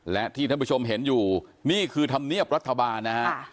และที่ท่านผู้ชมเห็นอยู่นี่คือธรรมเนียบรัฐบาลนะฮะ